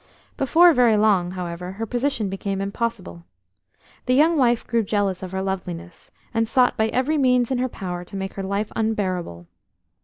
Before very long, however, her position became impossible. The young wife grew jealous of her loveliness, and sought by every means in her power to make her life unbearable.